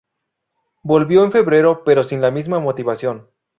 Volvió en febrero pero sin la misma motivación.